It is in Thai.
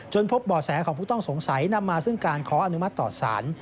พบบ่อแสของผู้ต้องสงสัยนำมาซึ่งการขออนุมัติต่อสาร